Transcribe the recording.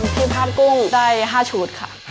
ที่ภาพกุ้งได้๕ชุดค่ะ